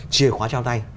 chiều khóa trao tay